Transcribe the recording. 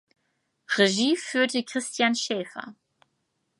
Regie führte Christian Schäfer.